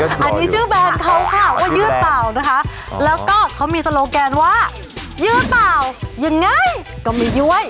อันนี้ชื่อแบรนด์เขาค่ะว่ายืดเปล่านะคะแล้วก็เขามีโลแกนว่ายืดเปล่ายังไงก็มีย้วย